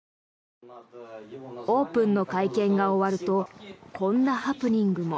オープンの会見が終わるとこんなハプニングも。